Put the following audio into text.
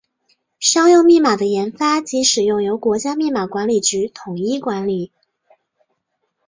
商用密码的研发及使用由国家密码管理局统一管理。